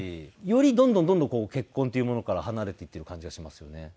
よりどんどんどんどんこう結婚っていうものから離れていってる感じがしますよね。